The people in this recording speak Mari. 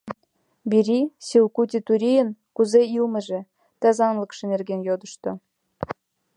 Бири Силкути Турийын кузе илымыже, тазалыкше нерген йодышто.